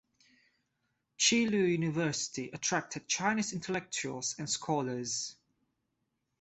Cheeloo University attracted Chinese intellectuals and scholars.